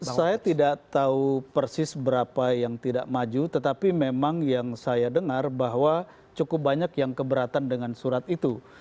saya tidak tahu persis berapa yang tidak maju tetapi memang yang saya dengar bahwa cukup banyak yang keberatan dengan surat itu